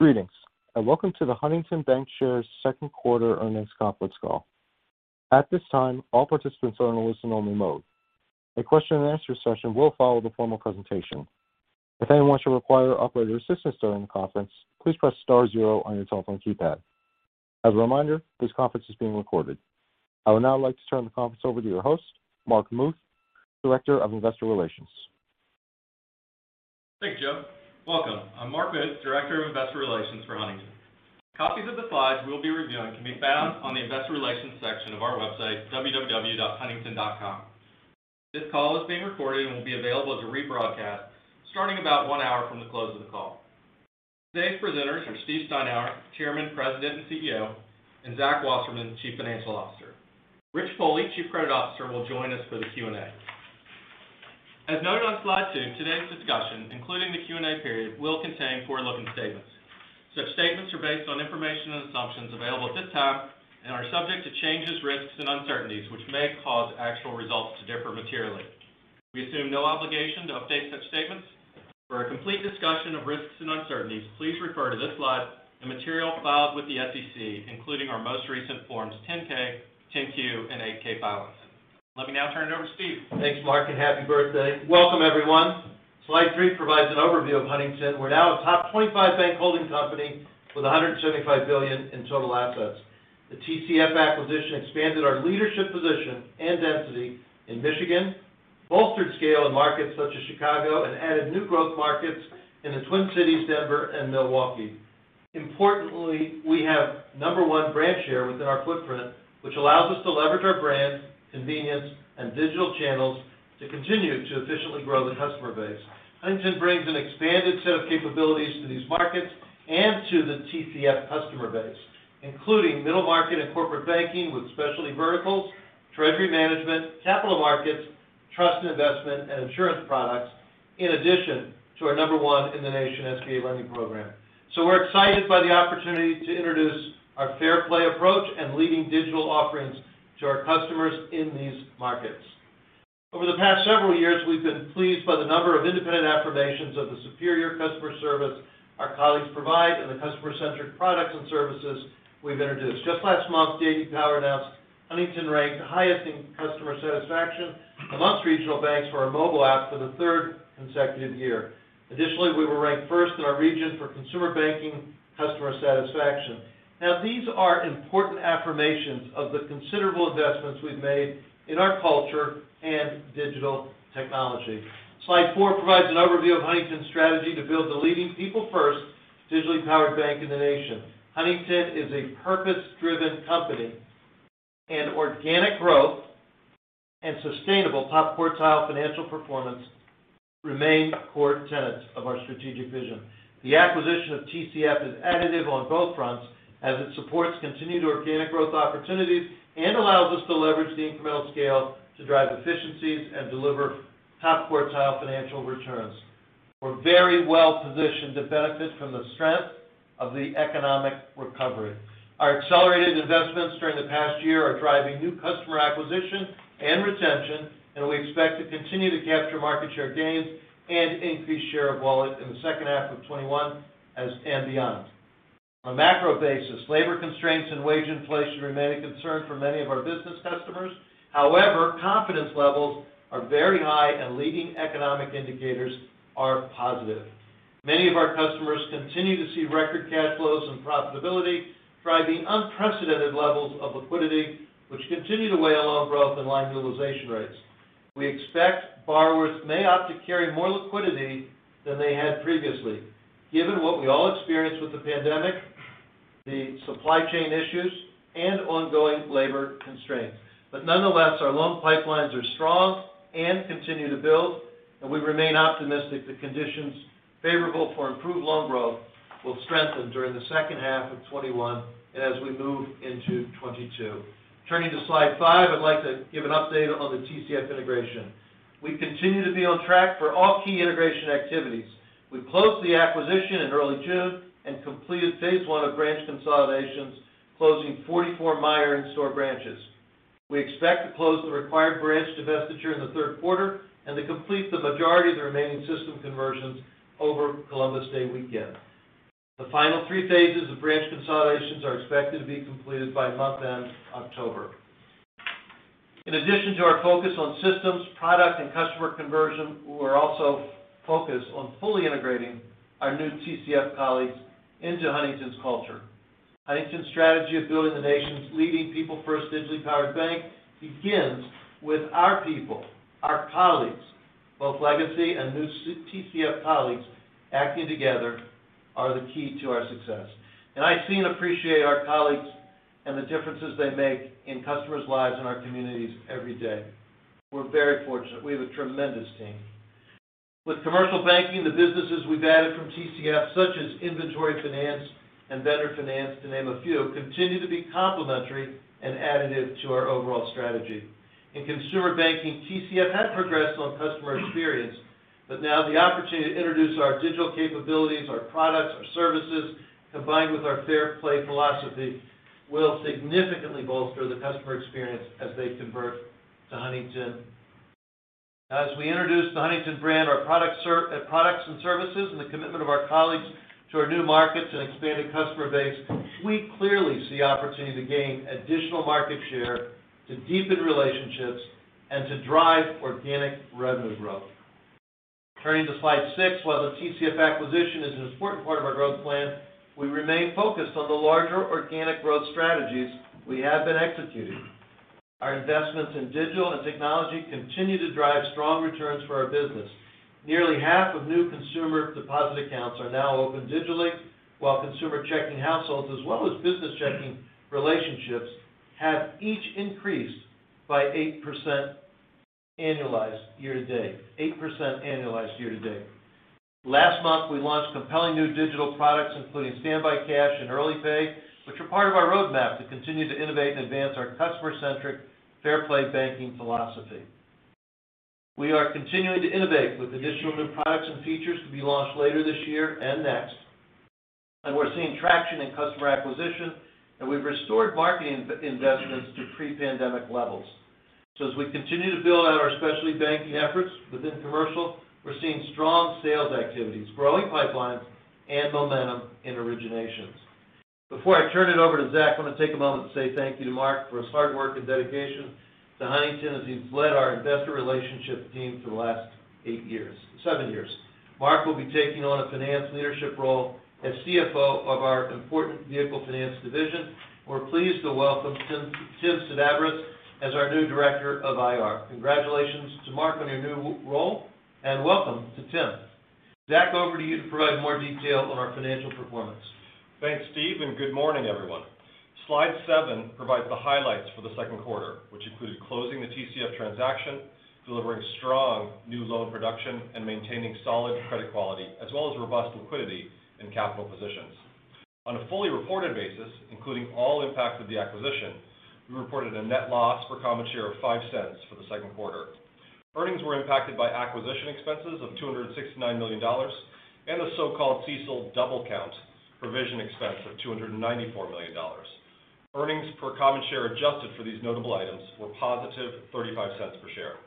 Greetings. Welcome to the Huntington Bancshares second quarter earnings conference call. At this time, all participants are only on listening mode. A question-and-answer session will follow formal presentation. If you want to enquire operator's assistance during the conference, please press star zero on your telephone keypad. As a reminder this conference is being recorded. I would now like to turn the conference over to your host, Mark Muth, Director of Investor Relations. Thanks, Joe. Welcome. I'm Mark Muth, Director of Investor Relations for Huntington. Copies of the slides we'll be reviewing can be found on the investor relations section of our website, www.huntington.com. This call is being recorded and will be available as a rebroadcast starting about one hour from the close of the call. Today's presenters are Steve Steinour, Chairman, President, and CEO, and Zach Wasserman, Chief Financial Officer. Rich Pohle, Chief Credit Officer, will join us for the Q&A. As noted on slide two, today's discussion, including the Q&A period, will contain forward-looking statements. Such statements are based on information and assumptions available at this time and are subject to changes, risks, and uncertainties, which may cause actual results to differ materially. We assume no obligation to update such statements. For a complete discussion of risks and uncertainties, please refer to this slide and material filed with the SEC, including our most recent Forms 10-K, 10-Q, and 8-K filings. Let me now turn it over to Steve. Thanks, Mark, and happy birthday. Welcome, everyone. Slide three provides an overview of Huntington. We're now a top 25 bank holding company with $175 billion in total assets. The TCF acquisition expanded our leadership position and density in Michigan, bolstered scale in markets such as Chicago, and added new growth markets in the Twin Cities, Denver, and Milwaukee. Importantly, we have number one branch share within our footprint, which allows us to leverage our brand, convenience, and digital channels to continue to efficiently grow the customer base. Huntington brings an expanded set of capabilities to these markets and to the TCF customer base, including middle market and corporate banking with specialty verticals, Treasury Management, Capital Markets, trust and investment, and insurance products, in addition to our number one in the nation SBA lending program. We're excited by the opportunity to introduce our Fair Play approach and leading digital offerings to our customers in these markets. Over the past several years, we've been pleased by the number of independent affirmations of the superior customer service our colleagues provide and the customer-centric products and services we've introduced. Just last month, J.D. Power announced Huntington ranked highest in customer satisfaction amongst regional banks for our mobile app for the third consecutive year. Additionally, we were ranked first in our region for consumer banking customer satisfaction. Now, these are important affirmations of the considerable investments we've made in our culture and digital technology. Slide four provides an overview of Huntington's strategy to build the leading people-first digitally-powered bank in the nation. Huntington is a purpose-driven company, and organic growth and sustainable top quartile financial performance remain core tenets of our strategic vision. The acquisition of TCF is additive on both fronts as it supports continued organic growth opportunities and allows us to leverage the incremental scale to drive efficiencies and deliver top quartile financial returns. We're very well positioned to benefit from the strength of the economic recovery. Our accelerated investments during the past year are driving new customer acquisition and retention, and we expect to continue to capture market share gains and increase share of wallet in the second half of 2021 and beyond. On a macro basis, labor constraints and wage inflation remain a concern for many of our business customers. However, confidence levels are very high and leading economic indicators are positive. Many of our customers continue to see record cash flows and profitability, driving unprecedented levels of liquidity, which continue to weigh on loan growth and line utilization rates. We expect borrowers may opt to carry more liquidity than they had previously, given what we all experienced with the pandemic, the supply chain issues, and ongoing labor constraints. Nonetheless, our loan pipelines are strong and continue to build, and we remain optimistic that conditions favorable for improved loan growth will strengthen during the second half of 2021 and as we move into 2022. Turning to slide five, I'd like to give an update on the TCF integration. We continue to be on track for all key integration activities. We closed the acquisition in early June and completed phase I of branch consolidations, closing 44 Meijer in-store branches. We expect to close the required branch divestiture in the third quarter and to complete the majority of the remaining system conversions over Columbus Day weekend. The final three phases of branch consolidations are expected to be completed by month-end October. In addition to our focus on systems, product, and customer conversion, we're also focused on fully integrating our new TCF colleagues into Huntington's culture. Huntington's strategy of building the nation's leading people-first digitally-powered bank begins with our people, our colleagues, both legacy and new TCF colleagues acting together are the key to our success. I see and appreciate our colleagues and the differences they make in customers' lives and our communities every day. We're very fortunate. We have a tremendous team. With commercial banking, the businesses we've added from TCF, such as inventory finance and vendor finance, to name a few, continue to be complementary and additive to our overall strategy. In consumer banking, TCF had progressed on customer experience, but now the opportunity to introduce our digital capabilities, our products, our services, combined with our Fair Play philosophy, will significantly bolster the customer experience as they convert to Huntington. As we introduce the Huntington brand, our products and services, and the commitment of our colleagues to our new markets and expanded customer base, we clearly see opportunity to gain additional market share, to deepen relationships, and to drive organic revenue growth. Turning to slide six, while the TCF acquisition is an important part of our growth plan, we remain focused on the larger organic growth strategies we have been executing. Our investments in digital and technology continue to drive strong returns for our business. Nearly half of new consumer deposit accounts are now open digitally, while consumer checking households as well as business checking relationships have each increased by 8% annualized year to date. Last month, we launched compelling new digital products, including Standby Cash and Early Pay, which are part of our roadmap to continue to innovate and advance our customer-centric Fair Play banking philosophy. We are continuing to innovate with additional new products and features to be launched later this year and next. We're seeing traction in customer acquisition, and we've restored marketing investments to pre-pandemic levels. As we continue to build out our specialty banking efforts within commercial, we're seeing strong sales activities, growing pipelines, and momentum in originations. Before I turn it over to Zach, I want to take a moment to say thank you to Mark for his hard work and dedication to Huntington as he's led our investor relationship team for the last seven years. Mark will be taking on a finance leadership role as CFO of our important vehicle finance division. We're pleased to welcome Tim Sedabres as our new Director of IR. Congratulations to Mark on your new role and welcome to Tim. Zach, over to you to provide more detail on our financial performance. Thanks, Steve. Good morning, everyone. Slide seven provides the highlights for the second quarter, which included closing the TCF transaction, delivering strong new loan production, and maintaining solid credit quality, as well as robust liquidity and capital positions. On a fully reported basis, including all impacts of the acquisition, we reported a net loss per common share of $0.05 for the second quarter. Earnings were impacted by acquisition expenses of $269 million and the so-called CECL double count provision expense of $294 million. Earnings per common share adjusted for these notable items were positive $0.35 per share.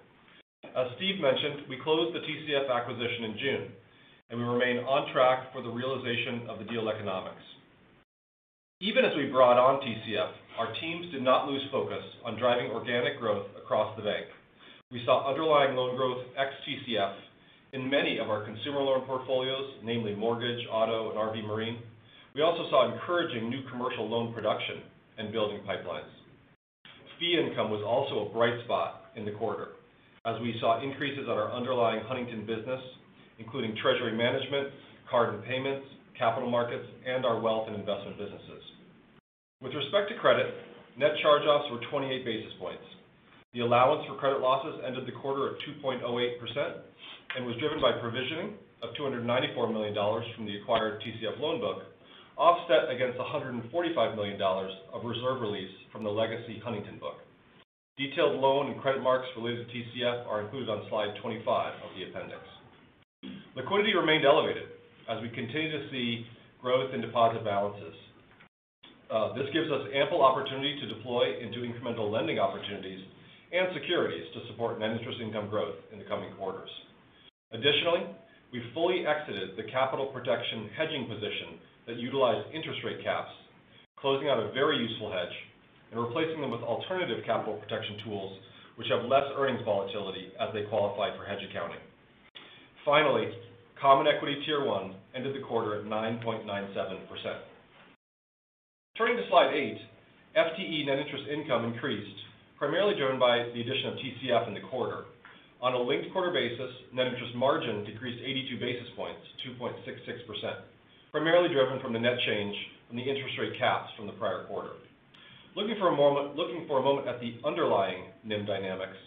As Steve mentioned, we closed the TCF acquisition in June, and we remain on track for the realization of the deal economics. Even as we brought on TCF, our teams did not lose focus on driving organic growth across the bank. We saw underlying loan growth ex TCF in many of our consumer loan portfolios, namely mortgage, auto, and RV/Marine. We also saw encouraging new commercial loan production and building pipelines. Fee income was also a bright spot in the quarter as we saw increases on our underlying Huntington business, including Treasury Management, card and payments, Capital Markets, and our wealth and investment businesses. With respect to credit, net charge-offs were 28 basis points. The allowance for credit losses ended the quarter at 2.08% and was driven by provisioning of $294 million from the acquired TCF loan book, offset against $145 million of reserve release from the legacy Huntington book. Detailed loan and credit marks related to TCF are included on slide 25 of the appendix. Liquidity remained elevated as we continue to see growth in deposit balances. This gives us ample opportunity to deploy into incremental lending opportunities and securities to support net interest income growth in the coming quarters. Additionally, we fully exited the capital protection hedging position that utilized interest rate caps, closing out a very useful hedge and replacing them with alternative capital protection tools which have less earnings volatility as they qualify for hedge accounting. Finally, Common Equity tier one ended the quarter at 9.97%. Turning to slide eight, FTE net interest income increased, primarily driven by the addition of TCF in the quarter. On a linked quarter basis, net interest margin decreased 82 basis points to 2.66%, primarily driven from the net change from the interest rate caps from the prior quarter. Looking for a moment at the underlying NIM dynamics,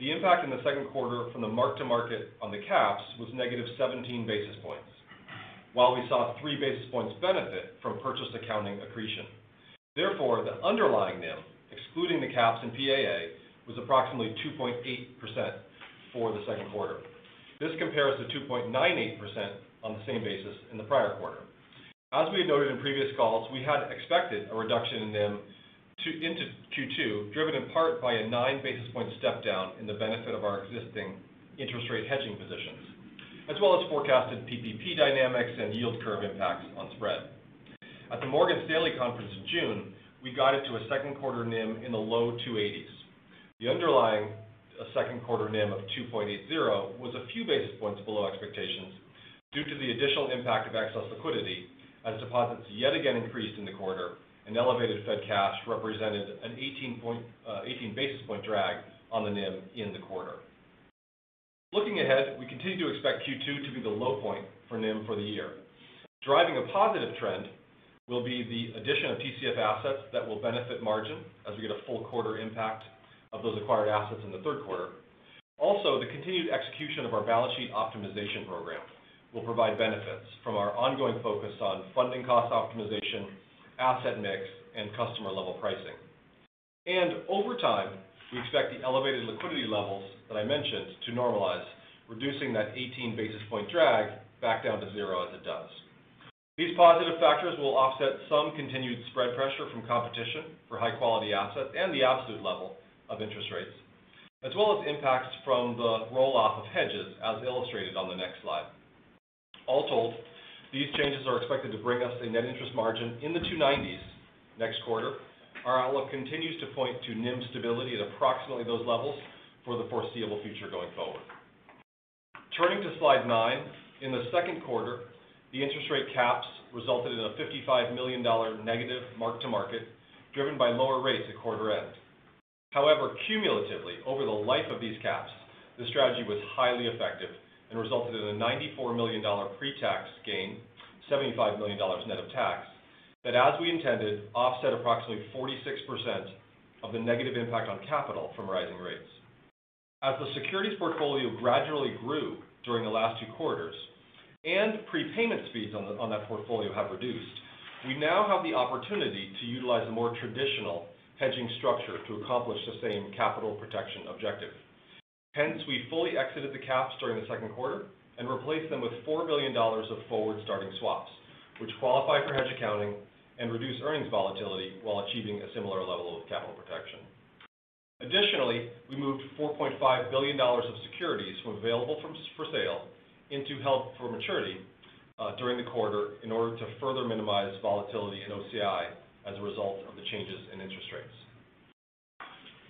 the impact in the second quarter from the mark to market on the caps was negative 17 basis points. While we saw three basis points benefit from purchase accounting accretion. Therefore, the underlying NIM, excluding the caps and PAA, was approximately 2.8% for the second quarter. This compares to 2.98% on the same basis in the prior quarter. As we had noted in previous calls, we had expected a reduction in NIM into Q2, driven in part by a nine basis point step down in the benefit of our existing interest rate hedging positions, as well as forecasted PPP dynamics and yield curve impacts on spread. At the Morgan Stanley conference in June, we guided to a second quarter NIM in the low 2.80s. The underlying second quarter NIM of 2.80% was a few basis points below expectations due to the additional impact of excess liquidity as deposits yet again increased in the quarter and elevated Fed cash represented an 18 basis point drag on the NIM in the quarter. Looking ahead, we continue to expect Q2 to be the low point for NIM for the year. Driving a positive trend will be the addition of TCF assets that will benefit margin as we get a full quarter impact of those acquired assets in the third quarter. Also, the continued execution of our balance sheet optimization program will provide benefits from our ongoing focus on funding cost optimization, asset mix, and customer-level pricing. Over time, we expect the elevated liquidity levels that I mentioned to normalize reducing that 18 basis point drag back down to zero as it does. These positive factors will offset some continued spread pressure from competition for high quality assets and the absolute level of interest rates, as well as impacts from the roll off of hedges, as illustrated on the next slide. All told, these changes are expected to bring us a net interest margin in the 290s next quarter. Our outlook continues to point to NIM stability at approximately those levels for the foreseeable future going forward. Turning to slide nine. In the second quarter, the interest rate caps resulted in a $55 million negative mark to market, driven by lower rates at quarter end. Cumulatively over the life of these caps, the strategy was highly effective and resulted in a $94 million pre-tax gain, $75 million net of tax, that, as we intended, offset approximately 46% of the negative impact on capital from rising rates. As the securities portfolio gradually grew during the last two quarters, and prepayment speeds on that portfolio have reduced, we now have the opportunity to utilize a more traditional hedging structure to accomplish the same capital protection objective. We fully exited the caps during the second quarter and replaced them with $4 million of forward starting swaps, which qualify for hedge accounting and reduce earnings volatility while achieving a similar level of capital protection. We moved $4.5 billion of securities from available for sale into held-to-maturity during the quarter in order to further minimize volatility in OCI as a result of the changes in interest rates.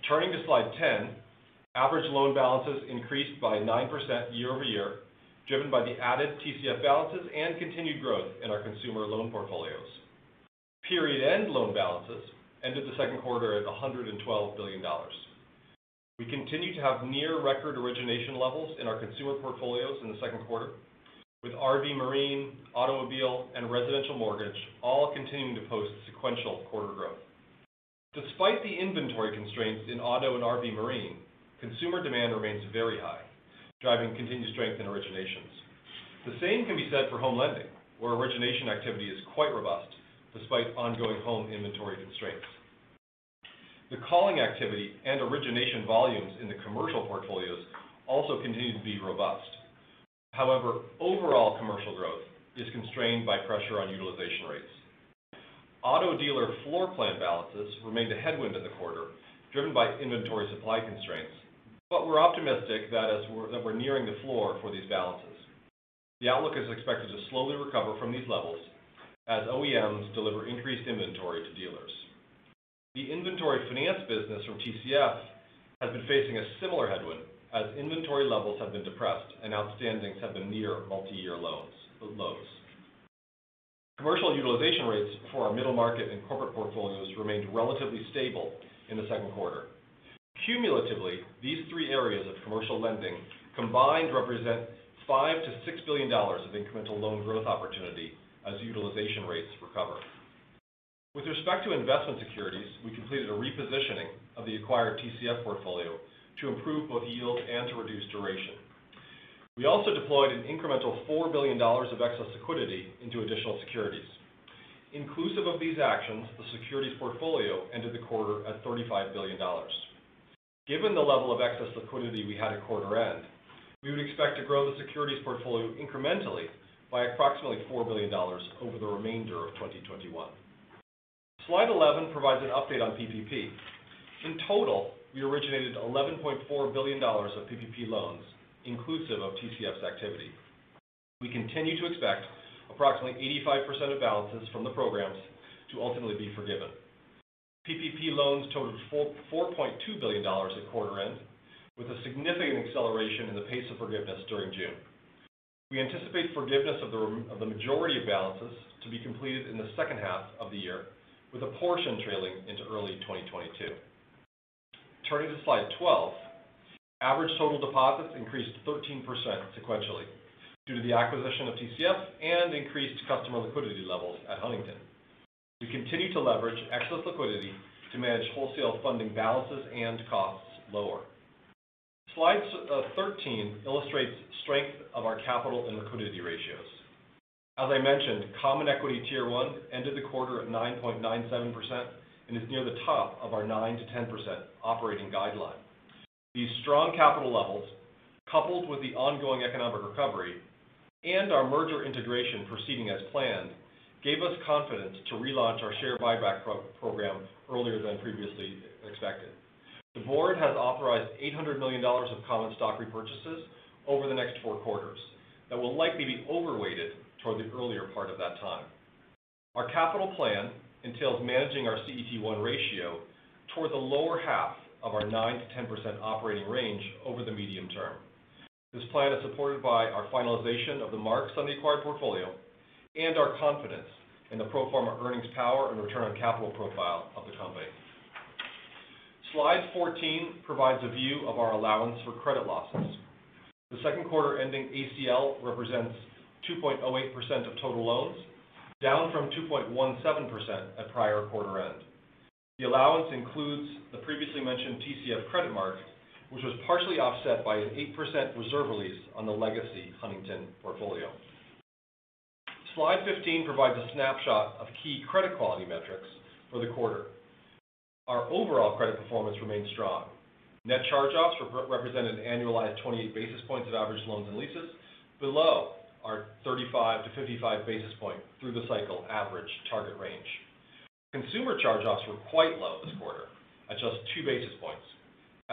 Turning to slide 10. Average loan balances increased by 9% year-over-year, driven by the added TCF balances and continued growth in our consumer loan portfolios. Period end loan balances ended the second quarter at $112 billion. We continue to have near record origination levels in our consumer portfolios in the second quarter, with RV/Marine, Automobile, and Residential Mortgage all continuing to post sequential quarter growth. Despite the inventory constraints in Auto and RV/Marine, consumer demand remains very high, driving continued strength in originations. The same can be said for home lending, where origination activity is quite robust despite ongoing home inventory constraints. The calling activity and origination volumes in the commercial portfolios also continue to be robust. Overall commercial growth is constrained by pressure on utilization rates. Auto dealer floor plan balances remained a headwind in the quarter, driven by inventory supply constraints. We're optimistic that we're nearing the floor for these balances. The outlook is expected to slowly recover from these levels as OEMs deliver increased inventory to dealers. The inventory finance business from TCF has been facing a similar headwind as inventory levels have been depressed and outstandings have been near multiyear lows. Commercial utilization rates for our middle market and corporate portfolios remained relatively stable in the second quarter. Cumulatively, these three areas of commercial lending combined represent $5 billion-$6 billion of incremental loan growth opportunity as utilization rates recover. With respect to investment securities, we completed a repositioning of the acquired TCF portfolio to improve both yield and to reduce duration. We also deployed an incremental $4 billion of excess liquidity into additional securities. Inclusive of these actions, the securities portfolio ended the quarter at $35 billion. Given the level of excess liquidity we had at quarter end, we would expect to grow the securities portfolio incrementally by approximately $4 billion over the remainder of 2021. Slide 11 provides an update on PPP. In total, we originated $11.4 billion of PPP loans inclusive of TCF's activity. We continue to expect approximately 85% of balances from the programs to ultimately be forgiven. PPP loans totaled $4.2 billion at quarter end, with a significant acceleration in the pace of forgiveness during June. We anticipate forgiveness of the majority of balances to be completed in the second half of the year, with a portion trailing into early 2022. Turning to slide 12. Average total deposits increased 13% sequentially due to the acquisition of TCF and increased customer liquidity levels at Huntington. We continue to leverage excess liquidity to manage wholesale funding balances and costs lower. Slide 13 illustrates strength of our capital and liquidity ratios. As I mentioned, Common Equity tier one ended the quarter at 9.97% and is near the top of our 9%-10% operating guideline. These strong capital levels, coupled with the ongoing economic recovery and our merger integration proceeding as planned, gave us confidence to relaunch our share buyback program earlier than previously expected. The board has authorized $800 million of common stock repurchases over the next four quarters. That will likely be overweighted toward the earlier part of that time. Our capital plan entails managing our CET1 ratio toward the lower half of our 9%-10% operating range over the medium term. This plan is supported by our finalization of the marks on the acquired portfolio and our confidence in the pro forma earnings power and return on capital profile of the company. Slide 14 provides a view of our allowance for credit losses. The second quarter ending ACL represents 2.08% of total loans, down from 2.17% at prior quarter end. The allowance includes the previously mentioned TCF credit mark, which was partially offset by an 8% reserve release on the legacy Huntington portfolio. Slide 15 provides a snapshot of key credit quality metrics for the quarter. Our overall credit performance remains strong. Net charge-offs represent an annualized 28 basis points of average loans and leases below our 35-55 basis point through the cycle average target range. Consumer charge-offs were quite low this quarter at just two basis points,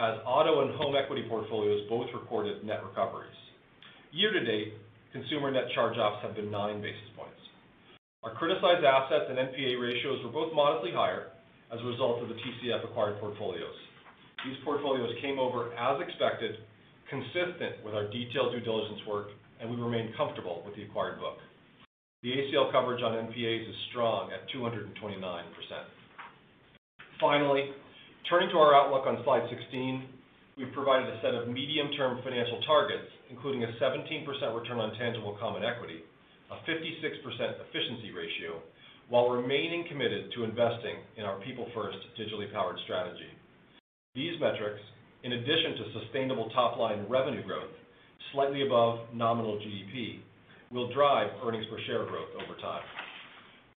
as auto and home equity portfolios both reported net recoveries. Year to date, consumer net charge-offs have been nine basis points. Our criticized assets and NPA ratios were both modestly higher as a result of the TCF acquired portfolios. These portfolios came over as expected, consistent with our detailed due diligence work, and we remain comfortable with the acquired book. The ACL coverage on NPAs is strong at 229%. Finally, turning to our outlook on slide 16, we've provided a set of medium-term financial targets, including a 17% return on tangible common equity, a 56% efficiency ratio, while remaining committed to investing in our people first digitally powered strategy. These metrics, in addition to sustainable top-line revenue growth, slightly above nominal GDP, will drive earnings per share growth over time.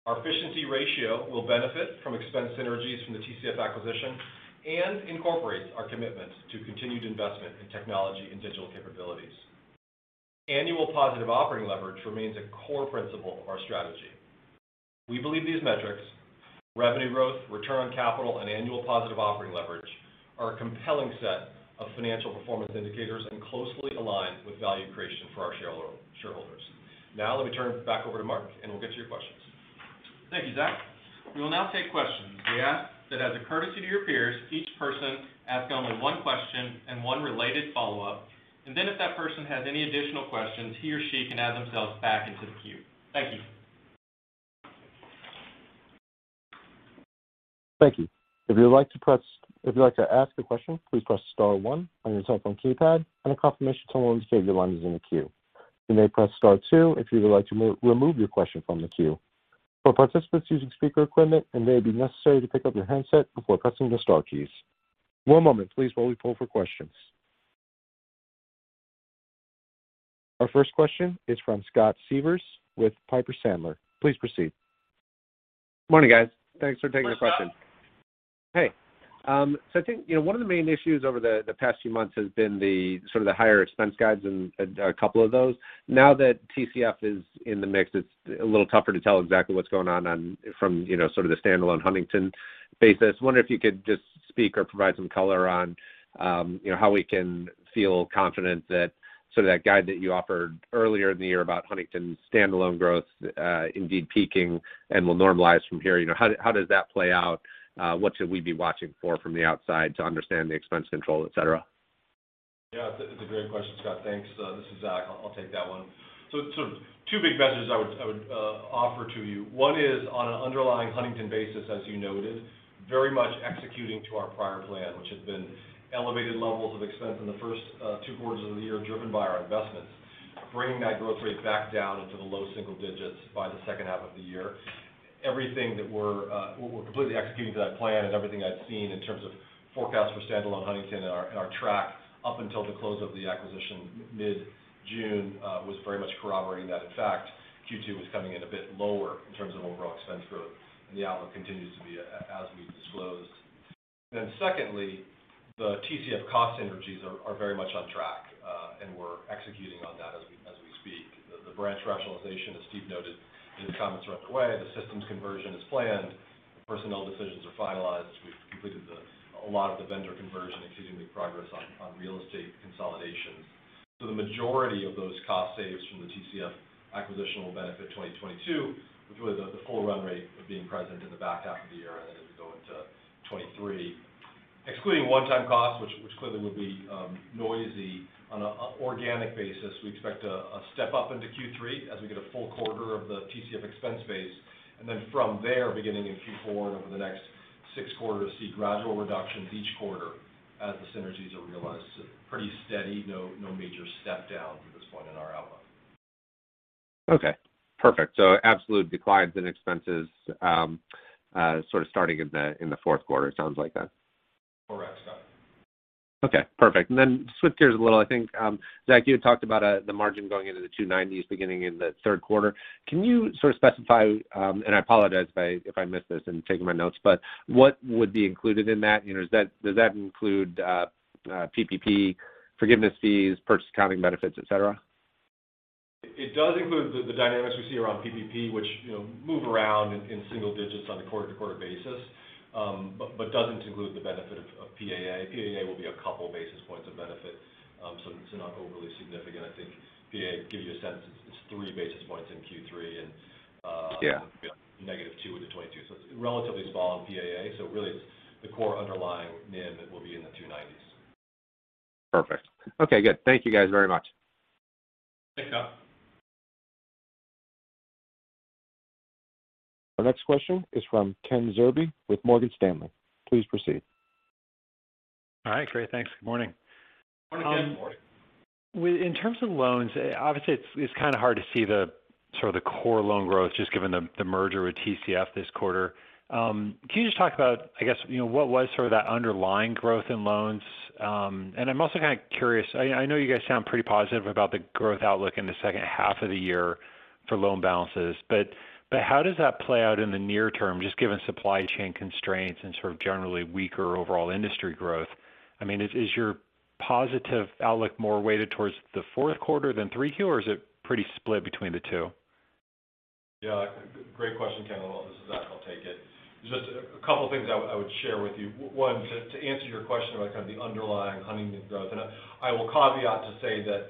Our efficiency ratio will benefit from expense synergies from the TCF acquisition and incorporates our commitment to continued investment in technology and digital capabilities. Annual positive operating leverage remains a core principle of our strategy. We believe these metrics, revenue growth, return on capital, and annual positive operating leverage are a compelling set of financial performance indicators and closely aligned with value creation for our shareholders. Now let me turn it back over to Mark, and we'll get to your questions. Thank you, Zach. We will now take questions. We ask that as a courtesy to your peers, each person ask only one question and one related follow-up. If that person has any additional questions, he or she can add themselves back into the queue. Thank you. Thank you. If you'd like to ask a question, please press star one on your telephone keypad, and a confirmation tone will indicate your line is in the queue. You may press star two if you would like to remove your question from the queue. For participants using speaker equipment, it may be necessary to pick up your handset before pressing the star keys. One moment, please, while we poll for questions. Our first question is from Scott Siefers with Piper Sandler. Please proceed. Morning, guys. Thanks for taking the question. Morning, Scott. I think one of the main issues over the past few months has been the higher expense guides and a couple of those. Now that TCF is in the mix, it is a little tougher to tell exactly what is going on from the standalone Huntington basis. Wondering if you could just speak or provide some color on how we can feel confident that sort of that guide that you offered earlier in the year about Huntington's standalone growth indeed peaking and will normalize from here. How does that play out? What should we be watching for from the outside to understand the expense control, et cetera? Yeah, it's a great question, Scott. Thanks. This is Zach. I'll take that one. Two big messages I would offer to you. One is on an underlying Huntington basis, as you noted, very much executing to our prior plan, which has been elevated levels of expense in the first two quarters of the year, driven by our investments, bringing that growth rate back down into the low single digits by the second half of the year. We're completely executing to that plan, and everything I've seen in terms of forecasts for standalone Huntington and our track up until the close of the acquisition mid-June was very much corroborating that. In fact, Q2 was coming in a bit lower in terms of overall expense growth, and the outlook continues to be as we've disclosed. Secondly, the TCF cost synergies are very much on track, and we're executing on that as we speak. The branch rationalization, as Steve noted in his comments right away, the systems conversion is planned. The personnel decisions are finalized. We've completed a lot of the vendor conversion and continuing to make progress on real estate consolidations. The majority of those cost saves from the TCF acquisition will benefit 2022 with really the full run rate of being present in the back half of the year and then as we go into 2023. Excluding one-time costs, which clearly will be noisy on an organic basis, we expect a step-up into Q3 as we get a full quarter of the TCF expense base, and then from there, beginning in Q4 and over the next six quarters, see gradual reductions each quarter as the synergies are realized. Pretty steady. No major step down through this point in our outlook. Okay, perfect. Absolute declines in expenses sort of starting in the fourth quarter, it sounds like then. Correct, Scott. Okay, perfect. Then swift gears a little, I think Zach, you had talked about the margin going into the 290s beginning in the third quarter. Can you sort of specify, and I apologize if I missed this in taking my notes, but what would be included in that? Does that include PPP forgiveness fees, purchase accounting benefits, et cetera? It does include the dynamics we see around PPP, which move around in single digits on a quarter-to-quarter basis but doesn't include the benefit of PAA. PAA will be a couple basis points of benefit, so not overly significant. I think PAA gives you a sense it's three basis points in Q3. Yeah -2 into 2022. It's relatively small in PAA, so really the core underlying NIM will be in the 290s. Perfect. Okay, good. Thank you guys very much. Thanks, Scott. Our next question is from Ken Zerbe with Morgan Stanley. Please proceed. All right, great. Thanks. Good morning. Morning, Ken. In terms of loans, obviously it's kind of hard to see the core loan growth just given the merger with TCF this quarter. Can you just talk about, I guess, what was sort of that underlying growth in loans? I'm also kind of curious, I know you guys sound pretty positive about the growth outlook in the second half of the year for loan balances. How does that play out in the near term, just given supply chain constraints and sort of generally weaker overall industry growth? I mean, is your positive outlook more weighted towards the fourth quarter than Q3, or is it pretty split between the two? Yeah. Great question, Ken. This is Zach. I'll take it. Just two things I would share with you. One, to answer your question about kind of the underlying Huntington growth, and I will caveat to say that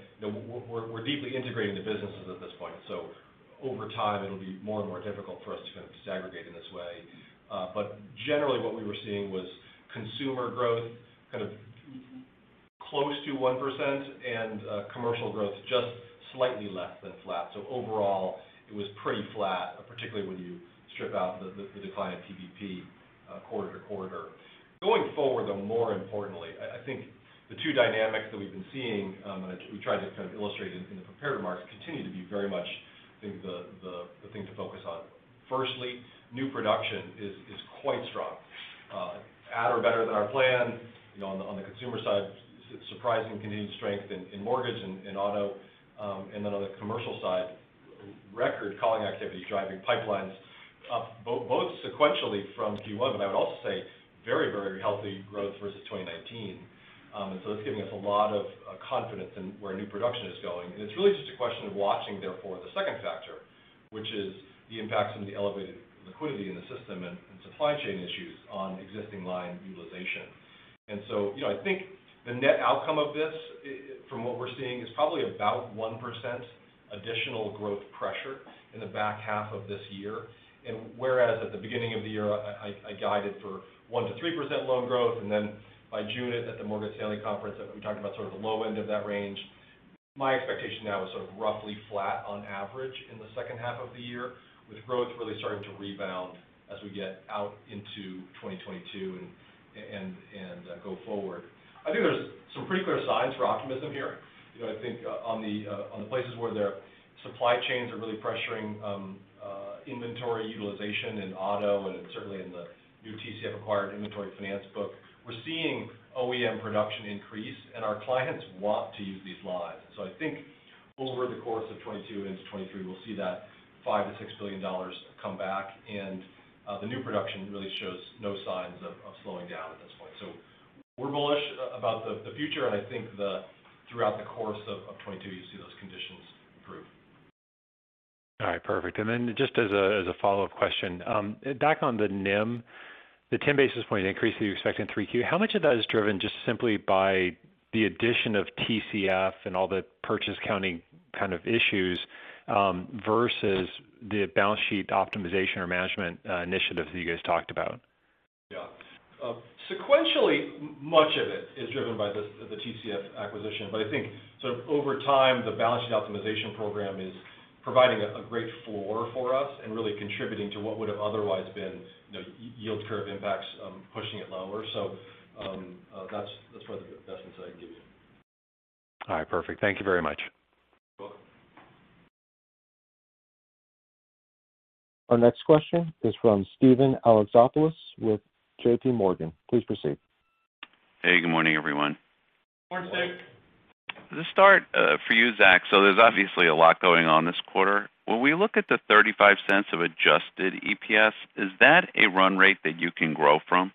we're deeply integrating the businesses at this point, so over time it'll be more and more difficult for us to kind of segregate in this way. Generally what we were seeing was consumer growth kind of close to 1% and commercial growth just slightly less than flat. Overall, it was pretty flat, particularly when you strip out the decline in PPP quarter-to-quarter. Going forward, though, more importantly, I think the two dynamics that we've been seeing, and we tried to kind of illustrate it in the prepared remarks, continue to be very much I think the thing to focus on. Firstly, new production is quite strong at or better than our plan. On the consumer side, surprising continued strength in mortgage and in auto. Then on the commercial side, record calling activity driving pipelines up, both sequentially from Q1, but I would also say very healthy growth versus 2019. So that's giving us a lot of confidence in where new production is going. It's really just a question of watching, therefore, the second factor, which is the impact from the elevated liquidity in the system and supply chain issues on existing line utilization. So, I think the net outcome of this, from what we're seeing, is probably about 1% additional growth pressure in the back half of this year. Whereas at the beginning of the year I guided for 1%-3% loan growth, by June at the Morgan Stanley conference, we talked about sort of the low end of that range. My expectation now is sort of roughly flat on average in the second half of the year, with growth really starting to rebound as we get out into 2022 and go forward. I think there's some pretty clear signs for optimism here. I think on the places where their supply chains are really pressuring inventory utilization in auto and certainly in the new TCF acquired inventory finance book, we're seeing OEM production increase, and our clients want to use these lines. I think over the course of 2022 into 2023, we'll see that $5 billion-$6 billion come back, and the new production really shows no signs of slowing down at this point. We're bullish about the future, and I think throughout the course of 2022, you'll see those conditions improve. All right, perfect. Just as a follow-up question. Back on the NIM, the 10 basis point increase that you expect in Q3, how much of that is driven just simply by the addition of TCF and all the purchase accounting kind of issues, versus the balance sheet optimization or management initiatives that you guys talked about? Yeah. Sequentially, much of it is driven by the TCF acquisition. I think sort of over time, the balance sheet optimization program is providing a great floor for us and really contributing to what would've otherwise been yield curve impacts, pushing it lower. That's probably the best insight I can give you. All right. Perfect. Thank you very much. You're welcome. Our next question is from Steven Alexopoulos with JPMorgan. Please proceed. Hey, good morning, everyone. Good morning, Steve. To start, for you, Zach, there's obviously a lot going on this quarter. When we look at the $0.35 of adjusted EPS, is that a run rate that you can grow from?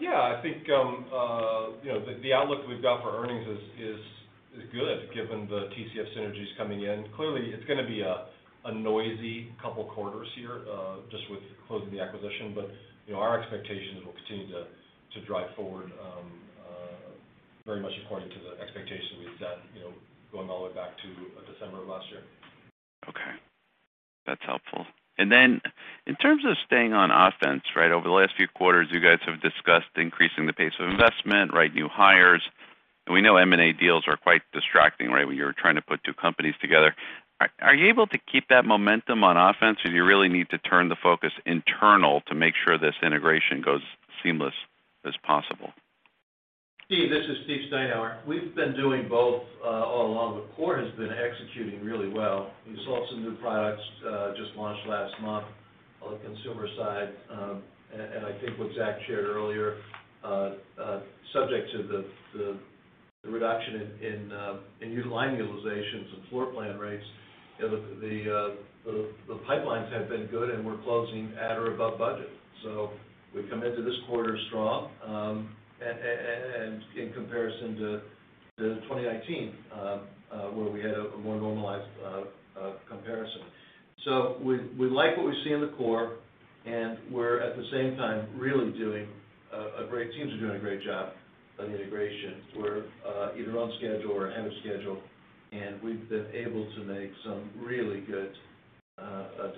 Yeah. I think the outlook we've got for earnings is good given the TCF synergies coming in. Clearly, it's going to be a noisy couple quarters here just with closing the acquisition. Our expectation is we'll continue to drive forward very much according to the expectation we've set going all the way back to December of last year. Okay. That's helpful. In terms of staying on offense, right, over the last few quarters, you guys have discussed increasing the pace of investment, right, new hires. We know M&A deals are quite distracting, right? When you're trying to put two companies together. Are you able to keep that momentum on offense, or do you really need to turn the focus internal to make sure this integration goes seamless as possible? Steve, this is Steve Steinour. We've been doing both all along. The core has been executing really well. You saw some new products just launched last month on the consumer side. I think what Zach shared earlier, subject to the reduction in line utilizations and floor plan rates, the pipelines have been good, and we're closing at or above budget. We come into this quarter strong, in comparison to 2019, where we had a more normalized comparison. We like what we see in the core, and we're at the same time really teams are doing a great job on the integration. We're either on schedule or ahead of schedule, and we've been able to make some really good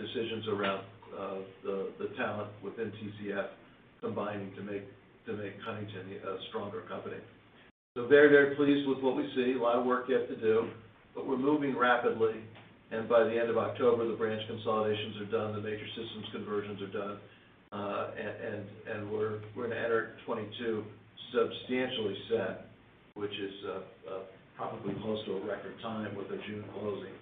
decisions around the talent within TCF combining to make Huntington a stronger company. Very pleased with what we see. A lot of work yet to do, but we're moving rapidly, and by the end of October, the branch consolidations are done, the major systems conversions are done. We're going to enter 2022 substantially set, which is probably close to a record time with a June closing.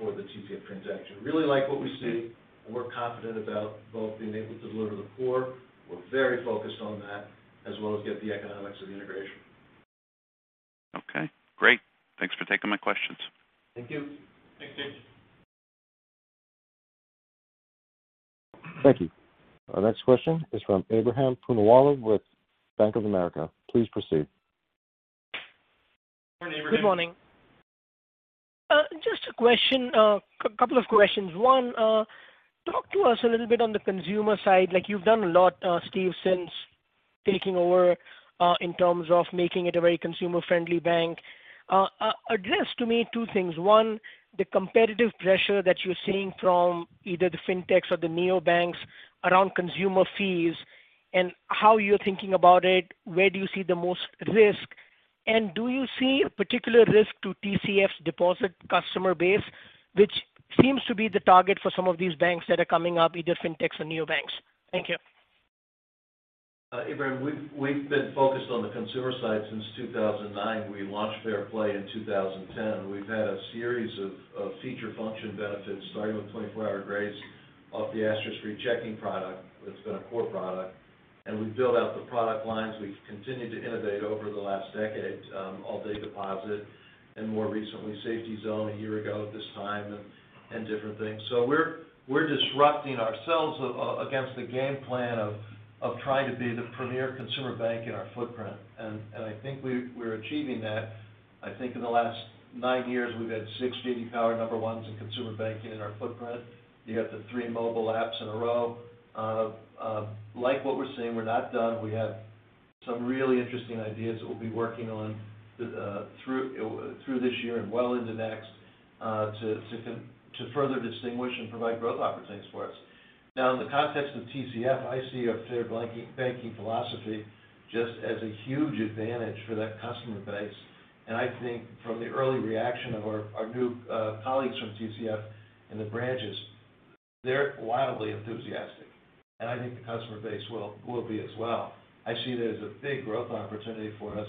For the TCF transaction. Really like what we see, and we're confident about both being able to deliver the core. We're very focused on that, as well as get the economics of the integration. Okay, great. Thanks for taking my questions. Thank you. Thanks, James. Thank you. Our next question is from Ebrahim Poonawala with Bank of America. Please proceed. Good morning, Ebrahim. Good morning. Just a coulpe of questions. One, talk to us a little bit on the consumer side. You've done a lot, Steve, since taking over, in terms of making it a very consumer-friendly bank. Address to me two things. One, the competitive pressure that you're seeing from either the fintechs or the neobanks around consumer fees, and how you're thinking about it, where do you see the most risk? Do you see a particular risk to TCF's deposit customer base, which seems to be the target for some of these banks that are coming up, either fintechs or neobanks? Thank you. Ebrahim, we've been focused on the consumer side since 2009. We launched Fair Play in 2010. We've had a series of feature function benefits, starting with 24-Hour Grace off the Asterisk-Free Checking product. That's been a core product. We've built out the product lines. We've continued to innovate over the last decade, All-Day Deposit and more recently, Safety Zone a year ago at this time and different things. We're disrupting ourselves against the game plan of trying to be the premier consumer bank in our footprint. I think we're achieving that. I think in the last nine years, we've had six J.D. Power number ones in consumer banking in our footprint. You got the three mobile apps in a row. Like what we're seeing, we're not done. We have some really interesting ideas that we'll be working on through this year and well into next to further distinguish and provide growth opportunities for us. In the context of TCF, I see a fair banking philosophy just as a huge advantage for that customer base. I think from the early reaction of our new colleagues from TCF in the branches, they're wildly enthusiastic. I think the customer base will be as well. I see it as a big growth opportunity for us,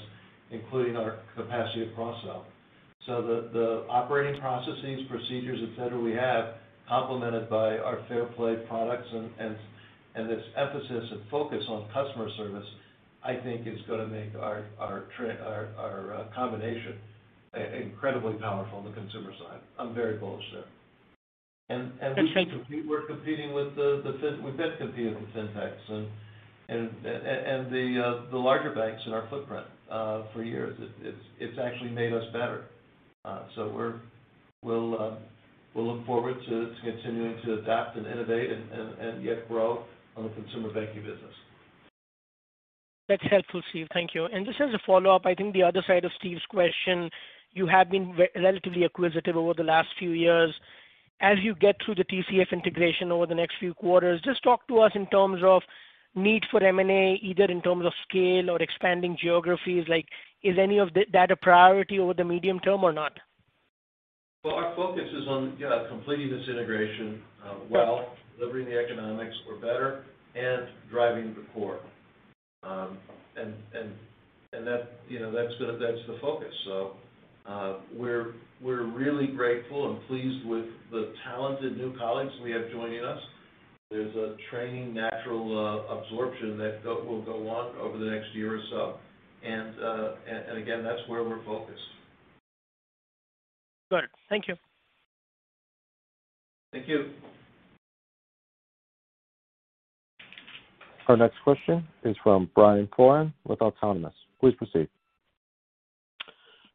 including our capacity to cross-sell. The operating processes, procedures, et cetera, we have, complemented by our Fair Play products and this emphasis and focus on customer service, I think is going to make our combination incredibly powerful on the consumer side. I'm very bullish there. That's helpful. We've been competing with fintechs and the larger banks in our footprint for years. It's actually made us better. We'll look forward to continuing to adapt and innovate and yet grow on the consumer banking business. That's helpful, Steve. Thank you. Just as a follow-up, I think the other side of Steve's question, you have been relatively acquisitive over the last few years. As you get through the TCF integration over the next few quarters, just talk to us in terms of need for M&A, either in terms of scale or expanding geographies. Is any of that a priority over the medium term or not? Our focus is on completing this integration while delivering the economics or better and driving the core. That's the focus. We're really grateful and pleased with the talented new colleagues we have joining us. There's a training natural absorption that will go on over the next year or so. Again, that's where we're focused. Good. Thank you. Thank you. Our next question is from Brian Foran with Autonomous. Please proceed.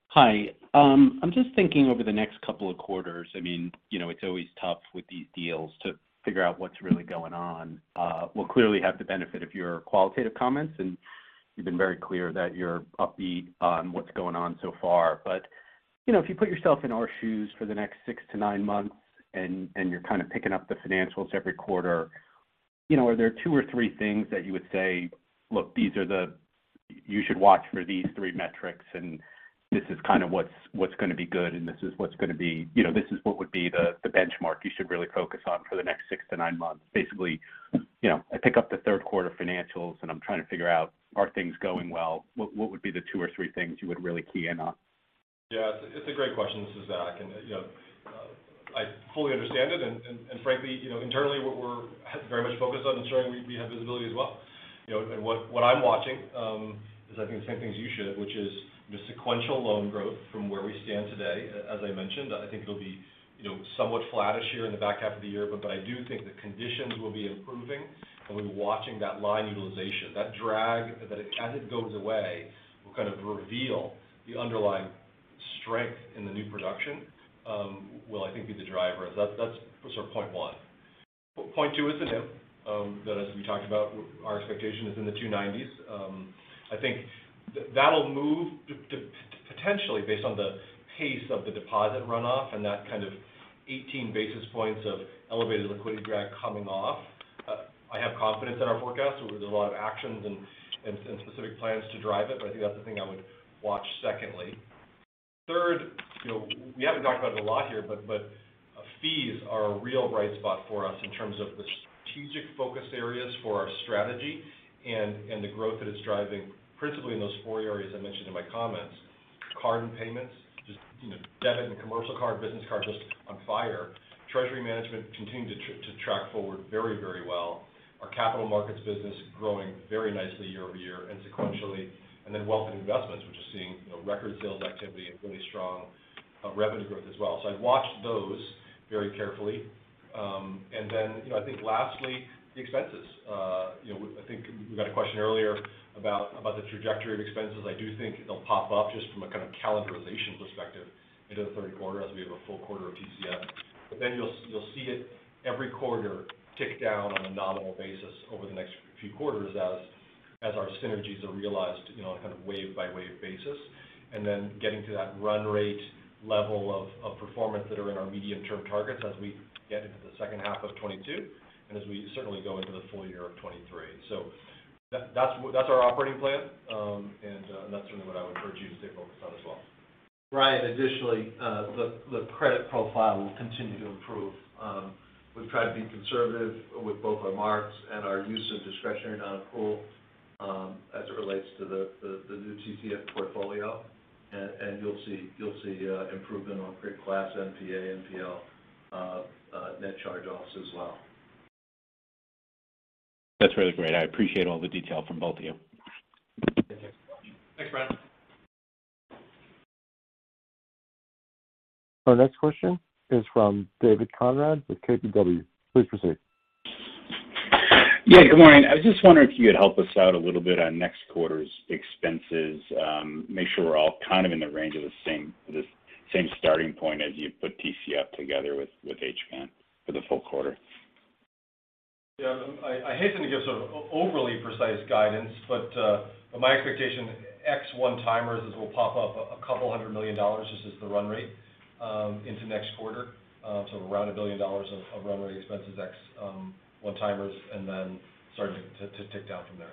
Hi. I'm just thinking over the next couple of quarters, it's always tough with these deals to figure out what's really going on. We'll clearly have the benefit of your qualitative comments, and you've been very clear that you're upbeat on what's going on so far. If you put yourself in our shoes for the next six to nine months, and you're kind of picking up the financials every quarter, are there two or three things that you would say, "Look, you should watch for these three metrics, and this is kind of what's going to be good, and this is what would be the benchmark you should really focus on for the next six to nine months." Basically, I pick up the third quarter financials and I'm trying to figure out, are things going well? What would be the two or three things you would really key in on? Yeah. It's a great question, this is Zach. I fully understand it. Frankly, internally, we're very much focused on ensuring we have visibility as well. What I'm watching is I think the same thing as you should, which is the sequential loan growth from where we stand today. As I mentioned, I think it'll be somewhat flattish here in the back half of the year. I do think the conditions will be improving, and we'll be watching that line utilization. That drag, as it goes away, will kind of reveal the underlying strength in the new production will, I think, be the driver. That's sort of point one. Point two is the NIM that, as we talked about, our expectation is in the 290s. I think that'll move potentially based on the pace of the deposit runoff and that kind of 18 basis points of elevated liquidity drag coming off. I have confidence in our forecast. There's a lot of actions and specific plans to drive it, but I think that's the thing I would watch secondly. Third, we haven't talked about it a lot here. Fees are a real bright spot for us in terms of the strategic focus areas for our strategy and the growth that it's driving, principally in those four areas I mentioned in my comments. Card and payments, just debit and commercial card, business card just on fire. Treasury Management continued to track forward very well. Our Capital Markets business growing very nicely year-over-year and sequentially. Wealth and investments, which is seeing record sales activity and really strong revenue growth as well. I'd watch those very carefully. I think lastly, the expenses. I think we got a question earlier about the trajectory of expenses. I do think it'll pop up just from a kind of calendarization perspective into the third quarter as we have a full quarter of TCF. You'll see it every quarter tick down on a nominal basis over the next few quarters as our synergies are realized on a kind of wave-by-wave basis. Getting to that run rate level of performance that are in our medium-term targets as we get into the second half of 2022 and as we certainly go into the full year of 2023. That's our operating plan. That's really what I would encourage you to stay focused on as well. Brian, additionally, the credit profile will continue to improve. We've tried to be conservative with both our marks and our use of discretionary non-accrual as it relates to the new TCF portfolio. You'll see improvement on crit/class NPA, NPL net charge-offs as well. That's really great. I appreciate all the detail from both of you. Thanks. Thanks, Brian. Our next question is from David Konrad with KBW. Please proceed. Yeah, good morning. I was just wondering if you could help us out a little bit on next quarter's expenses, make sure we're all kind of in the range of the same starting point as you put TCF together with Huntington Bancshares for the full quarter. Yeah. I hasten to give sort of overly precise guidance, but my expectation, ex one-timers is will pop up $200 million just as the run rate into next quarter. Around $1 billion of run rate expenses ex one-timers, and then starting to tick down from there.